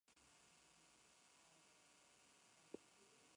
Fue la sede de su confesor, San Justiniano.